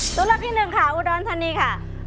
ตัวเลือกที่หนึ่งค่ะอุดรธานีค่ะ